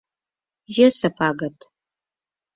Йӧсӧ пагыт.